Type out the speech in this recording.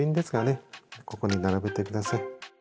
ここに並べてください。